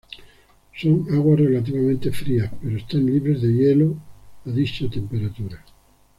Son aguas relativamente frías pero están libres de hielo a dicha temperatura.